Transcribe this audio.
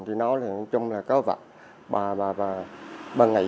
thì nó là có vật bà nghị